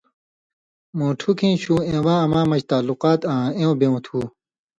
مُوٹُھوکَیں شُو اِواں اما مژ تعلقات آں ایوں بیوں تُھو۔